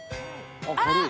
あら！